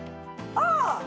ああ！